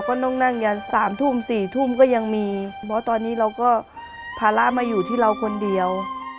ต้องนั่งยัน๓ทุ่ม๔ทุ่มก็ยังมีเพราะตอนนี้เราก็ภาระมาอยู่ที่เราคนเดียว